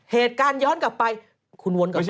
เหตุการณ์ย้อนกลับไปคุณวนกลับไป